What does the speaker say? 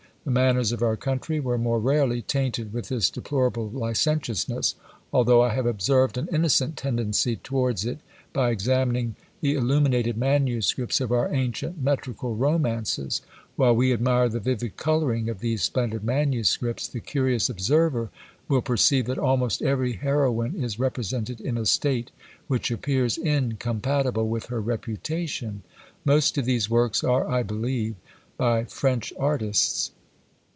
The manners of our country were more rarely tainted with this deplorable licentiousness, although I have observed an innocent tendency towards it, by examining the illuminated manuscripts of our ancient metrical romances: while we admire the vivid colouring of these splendid manuscripts, the curious observer will perceive that almost every heroine is represented in a state which appears incompatible with her reputation. Most of these works are, I believe, by French artists.